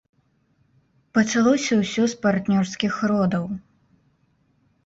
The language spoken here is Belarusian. Пачалося ўсё з партнёрскіх родаў.